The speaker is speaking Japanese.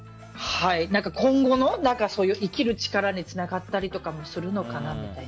今後の生きる力につながったりとかもするのかなと。